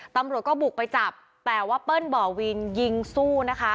ตำรวจก็บุกไปจับแต่ว่าเปิ้ลบ่อวินยิงสู้นะคะ